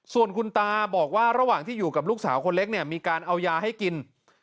ส่วนคุณตาบอกว่าระหว่างที่อยู่กับลูกสาวคนเล็กเนี่ยมีการเอายาให้กิน